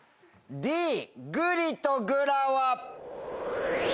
Ｄ『ぐりとぐら』は。